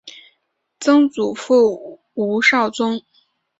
曾祖父吴绍宗。